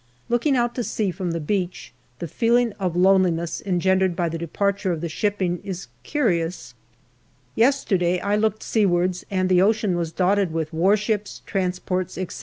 Looking out to sea from the beach, the feeling of loneliness engendered by the departure of the shipping is curious yesterday I looked seawards and the ocean was dotted with warships, trans ports, etc.